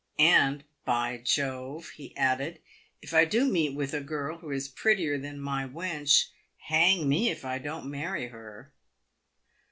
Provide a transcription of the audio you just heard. And, by Jove !" he added, "if I do meet with a girl who is prettier than my wench, hang me if I don't marry her."